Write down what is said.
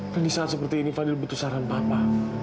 kan di saat seperti ini fadil butuh saran papa